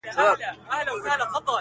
عبدالباري جهاني: د مولوي له مثنوي څخه،